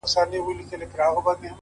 د زيارتـونو يې خورده ماتـه كـړه،